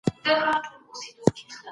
هغه چارواکي چي خپله پښتانه هم وو، دې موضوع